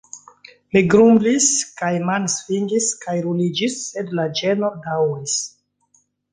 Mi grumblis kaj mansvingis kaj ruliĝis sed la ĝeno daŭris.